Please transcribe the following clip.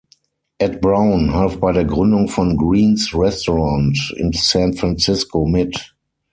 Ed Brown half bei der Gründung von Greens Restaurant in "San Francisco" mit.